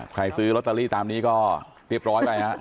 ซื้อลอตเตอรี่ตามนี้ก็เรียบร้อยไปฮะ